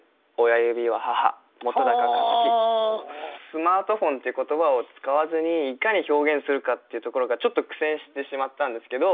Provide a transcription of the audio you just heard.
「スマートフォン」っていう言葉を使わずにいかに表現するかっていうところがちょっと苦戦してしまったんですけど。